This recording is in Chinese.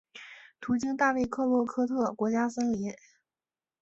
途经大卫克洛科特国家森林。